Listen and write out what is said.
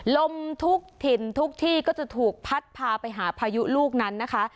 ลมทุกถิ่นทุกที่ก็จะถูกพัดพาไปหาพายุลูกนั้นนะคะ